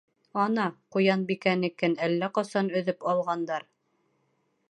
Ана, Ҡуянбикәнекен әллә ҡасан өҙөп алғандар.